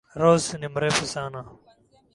Rose ni mrefu sana.